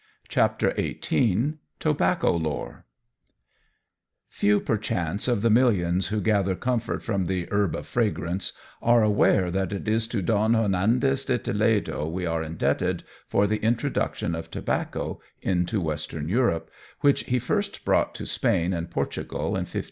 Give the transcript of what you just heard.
CHAPTER XVIII TOBACCO LORE FEW, perchance, of the millions who gather comfort from the "herb of fragrance" are aware that it is to Don Hernandez de Toledo we are indebted for the introduction of tobacco into Western Europe, which he first brought to Spain and Portugal in 1559.